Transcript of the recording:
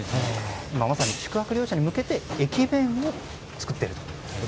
今まさに、宿泊療養者に向けて駅弁を作っていると。